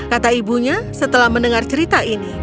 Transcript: kata ibunya setelah mendengar cerita ini